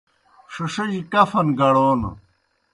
ݜِݜِجیْ کفن گڑون